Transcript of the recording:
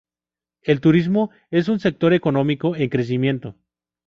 El turismo es un sector económico en crecimiento.